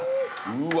うわ！